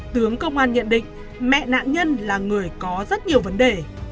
tướng công an nhận định mẹ nạn nhân là người có rất nhiều vấn đề